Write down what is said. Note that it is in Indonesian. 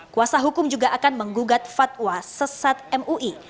kuasa hukum juga akan menggugat fatwa sesat mui